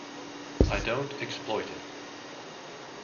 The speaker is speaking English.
I don't exploit it.